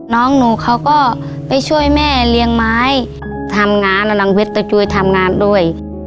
น้องหนูเขาก็ไปช่วยแม่เลี้ยงไม้ทำงานอลังเวชตะจุ้ยทำงานด้วย